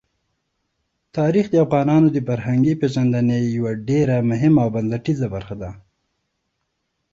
تاریخ د افغانانو د فرهنګي پیژندنې یوه ډېره مهمه او بنسټیزه برخه ده.